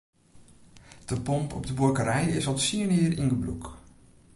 De pomp op de buorkerij is al tsien jier yn gebrûk.